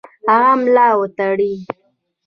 هغه ملا وتړي.